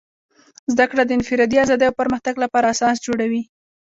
زدهکړه د انفرادي ازادۍ او پرمختګ لپاره اساس جوړوي.